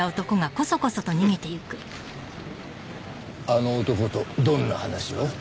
あの男とどんな話を？